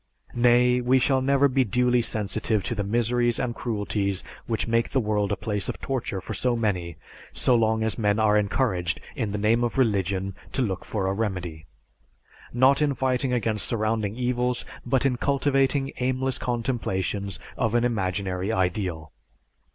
Nay, we shall never be duly sensitive to the miseries and cruelties which make the world a place of torture for so many, so long as men are encouraged in the name of religion to look for a remedy, not in fighting against surrounding evils, but in cultivating aimless contemplations of an imaginary ideal.